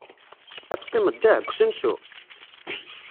Ad teqqimed da, deg usensu?